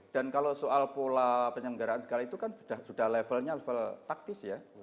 dan kalau soal pola penyelenggaraan segala itu kan sudah levelnya level taktis ya